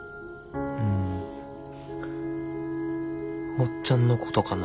うん。おっちゃんのことかな。